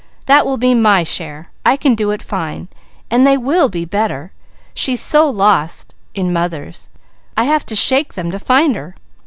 That will be my share. I can do it fine. And they will be better! She's so lost in mother's, I have to shake them to find her!"